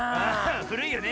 ふるいよね。